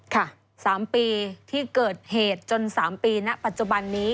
๓ปีที่เกิดเหตุจน๓ปีณปัจจุบันนี้